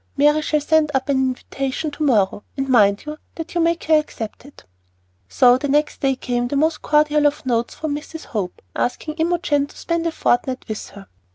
Mary shall send up an invitation to morrow, and mind that you make her accept it." So the next day came the most cordial of notes from Mrs. Hope, asking Imogen to spend a fortnight with her.